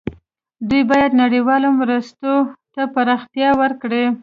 دوی باید نړیوالو مرستو ته پراختیا ورکړي.